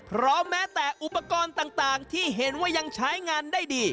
เพราะแม้แต่อุปกรณ์ต่างที่เห็นว่ายังใช้งานได้ดี